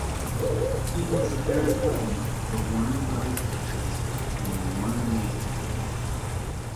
It was the parent company for Warner Brothers Pictures and Warner Music Group.